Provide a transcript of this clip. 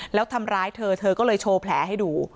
แล้วทำร้ายเธอเธอก็เลยโชว์แผลให้ดู